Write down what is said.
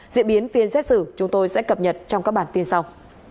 diễn biến phiên xét xử chúng tôi sẽ cập nhật trong các bản tin sau